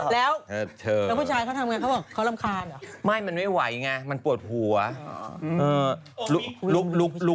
แล้วผู้ชายเค้าทำง่ายเค้าหลำคาญเหรอ